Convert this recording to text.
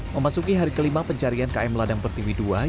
memasuki hari kelima pencarian km ladang pertiwi ii